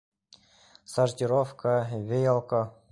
Сортировка, веялка!